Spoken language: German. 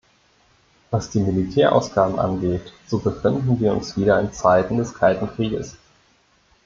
Was die Militärausgaben angeht, so befinden wir uns wieder in Zeiten des Kalten Krieges.